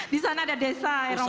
di sana ada desa aero